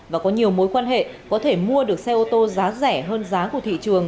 và có nhiều mối quan hệ có thể mua được xe ô tô giá rẻ hơn giá của thị trường